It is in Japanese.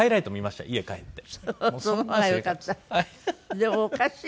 でもおかしいね。